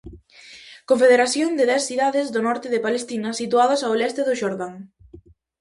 Confederación de dez cidades do norte de Palestina situadas ao leste do Xordán.